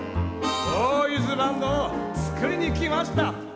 ボーイズバンドを作りに来ました。